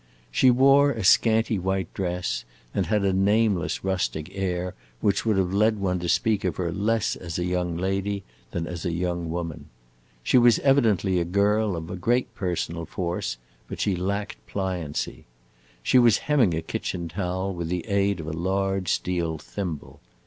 She wore a scanty white dress, and had a nameless rustic air which would have led one to speak of her less as a young lady than as a young woman. She was evidently a girl of a great personal force, but she lacked pliancy. She was hemming a kitchen towel with the aid of a large steel thimble.